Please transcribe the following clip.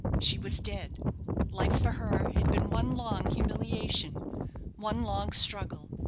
She was dead. Life for her had been one long humiliation, one long struggle.